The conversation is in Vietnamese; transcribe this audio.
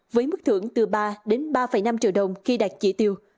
với mức thưởng từ ba đến ba năm triệu đồng khi đạt chỉ tiêu